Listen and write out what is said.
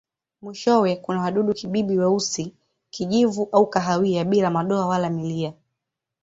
Mwishowe kuna wadudu-kibibi weusi, kijivu au kahawia bila madoa wala milia.